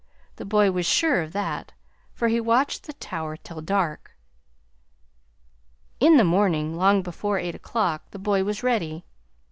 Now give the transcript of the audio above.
The boy was sure of that, for he watched the tower till dark. "In the morning, long before eight o'clock, the boy was ready.